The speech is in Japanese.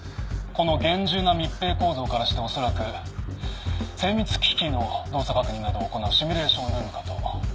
この厳重な密閉構造からして恐らく精密機器の動作確認などを行うシミュレーションルームかと。